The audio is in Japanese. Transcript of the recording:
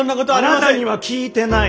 あなたには聞いてない。